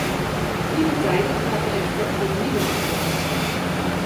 Nieuwe tijden vragen echter om nieuwe antwoorden.